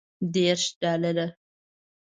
دېرش ډالره.